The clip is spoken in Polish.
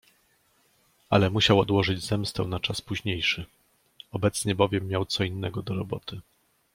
Ale musiał odłożyć zemstę na czas późniejszy, obecnie bowiem miał co innego do roboty.